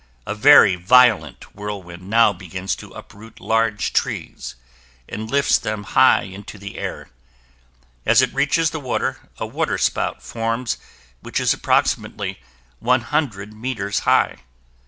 A very violent whirlwind now begins to uproot large trees, and lifts them high into the air. As it reaches the water, a waterspout forms which is approximately 100 meters high.